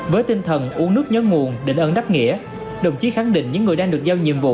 với tinh thần uống nước nhớ nguồn định ân đáp nghĩa đồng chí khẳng định những người đang được giao nhiệm vụ